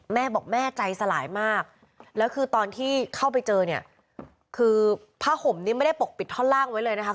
แม่บอกแม่ใจสลายมากแล้วคือตอนที่เข้าไปเจอเนี่ยคือผ้าห่มนี้ไม่ได้ปกปิดท่อนล่างไว้เลยนะคะ